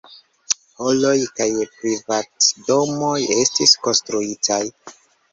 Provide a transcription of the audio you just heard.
Haloj kaj privatdomoj estis konstruitaj.